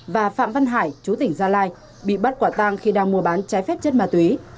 và phạm văn hải chú tỉnh gia lai bị bắt quả tang khi đang mua bán trái phép chất ma túy